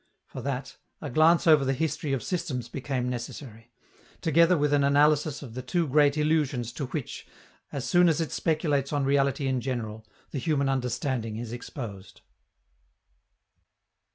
For that, a glance over the history of systems became necessary, together with an analysis of the two great illusions to which, as soon as it speculates on reality in general, the human understanding is exposed.